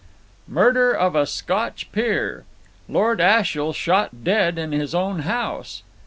"MURDER OF A SCOTCH PEER." "LORD ASHIEL SHOT DEAD IN HIS OWN HOUSE."